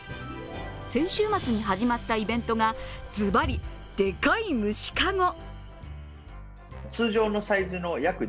先週末に始まったイベントがずばり、デカイ虫かご。